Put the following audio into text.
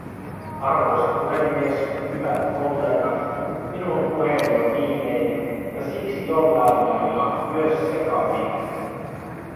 Arvoisa puhemies, hyvät kollegat, minun puheeni on viimeinen ja siksi jollain lailla myös sekavin.